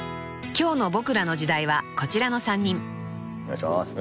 ［今日の『ボクらの時代』はこちらの３人］